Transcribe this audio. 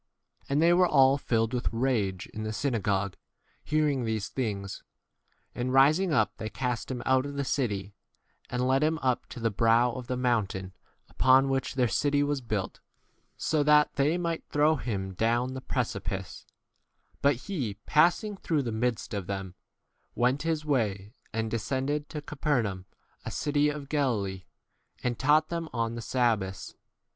And they were all filled with rage in the synagogue, hearing these 29 things ; and rising up they cast him out of the city, and led him up to the brow of the mountain upon which their city was built, so that they might 1 throw him 80 down the precipice ; but he, pass ing through the midst of them, 81 went his way, and descended to Capernaum, a city of Galilee, and taught them on the sabbaths.